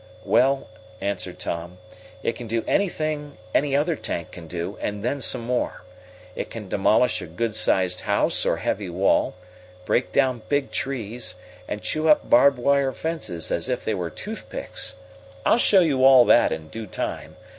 "Well," answered Tom, "it can do anything any other tank can do, and then some more. It can demolish a good sized house or heavy wall, break down big trees, and chew up barbed wire fences as if they were toothpicks. I'll show you all that in due time.